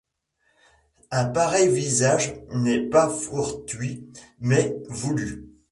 Un pareil visage n’est pas fortuit, mais voulu.